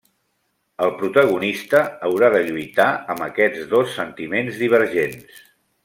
El protagonista haurà de lluitar amb aquests dos sentiments divergents.